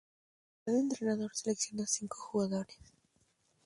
Cada entrenador selecciona cinco jugadoras.